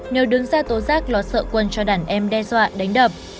nếu đứng ra tố giác lo sợ quân cho đàn em đe dọa đánh đập